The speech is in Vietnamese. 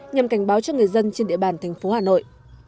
nhằm cảnh báo cho người dân trên địa bàn thành phố hà nội